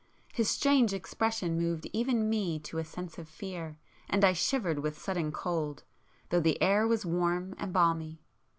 His strange expression moved even me to a sense of fear, and I shivered with sudden cold, though the air was warm and balmy.